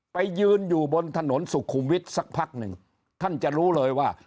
ไปยืนอยู่บนถนนสุขุมวิทย์สักพักหนึ่งท่านจะรู้เลยว่า